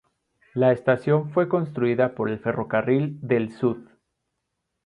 La estación fue construida por el Ferrocarril del Sud.